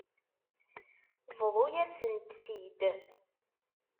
Bḍu-yasent-t-id.